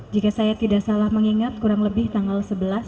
jika saya tidak salah mengingat kurang lebih tanggal sebelas